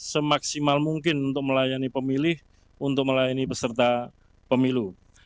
semaksimal mungkin untuk melayani pemilih untuk melayani peserta pemilu